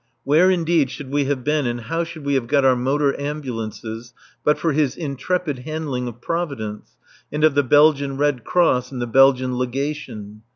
Where, indeed, should we have been and how should we have got our motor ambulances, but for his intrepid handling of Providence and of the Belgian Red Cross and the Belgian Legation?